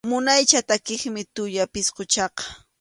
Munaycha takiqmi tuya pisquchaqa.